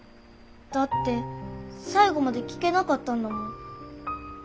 だって最後まで聞けなかったんだもん。